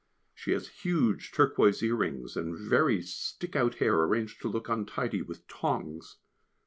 She has huge turquoise earrings, and very stick out hair arranged to look untidy with tongs.